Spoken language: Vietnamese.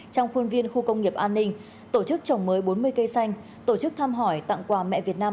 trong khuôn viên khu công nghiệp an ninh tổ chức trồng mới bốn mươi cây xanh tổ chức thăm hỏi tặng quà mẹ việt nam